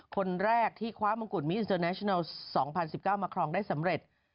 คนแรกที่คว้ามงกุฎมิเตอร์แนชินัล๒๐๑๙มาครองได้สำเร็จ